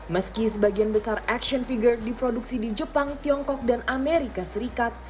meski sebagian besar action figure diproduksi di jepang tiongkok dan amerika serikat